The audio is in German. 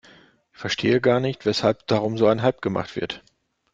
Ich verstehe gar nicht, weshalb darum so ein Hype gemacht wird.